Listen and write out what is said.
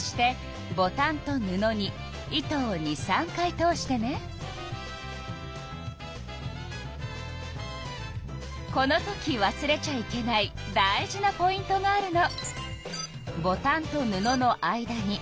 そしてこのときわすれちゃいけない大事なポイントがあるの。